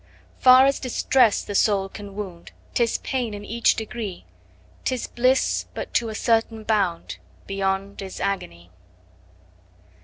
Far as distress the soul can wound, 'Tis pain in each degree: 10 'Tis bliss but to a certain bound, Beyond is agony.